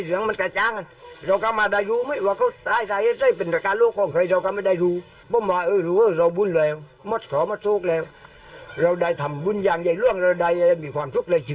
คุณบางทีสักเข้ามาพบญาติแล้วตามันอย่างนี้ดีไปเย้